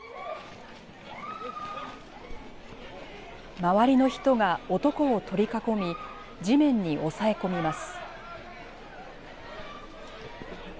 周りの人が男を取り囲み地面に抑え込みます。